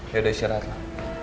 ya udah istirahatlah